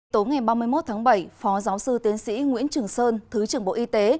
tối ngày ba mươi một tháng bảy phó giáo sư tiến sĩ nguyễn trường sơn thứ trưởng bộ y tế